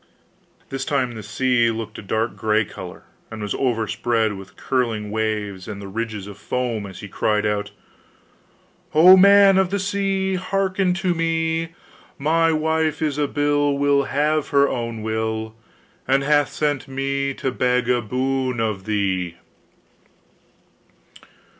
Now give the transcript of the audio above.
This time the sea looked a dark grey colour, and was overspread with curling waves and the ridges of foam as he cried out: 'O man of the sea! Hearken to me! My wife Ilsabill Will have her own will, And hath sent me to beg a boon of thee!